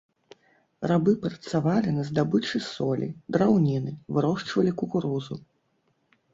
Рабы працавалі на здабычы солі, драўніны, вырошчвалі кукурузу.